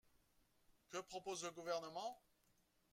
Que propose le Gouvernement?